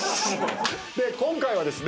で今回はですね